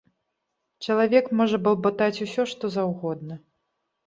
Чалавек можа балбатаць усё што заўгодна.